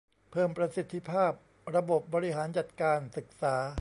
เพิ่มประสิทธิภาพระบบบริหารจัดการศึกษา